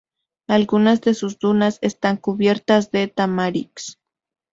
Algunas de sus dunas están cubiertas de tamarix.